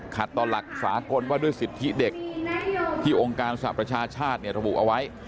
ต่อหลักสากลว่าด้วยสิทธิเด็กที่องค์การสหประชาชาติระบุเอาไว้